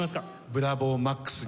ブラボーマックスに。